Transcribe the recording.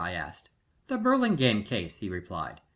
I asked. "The Burlingame case," he replied.